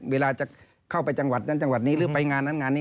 เวลาจะเข้าไปจังหวัดนั้นจังหวัดนี้หรือไปงานนั้นงานนี้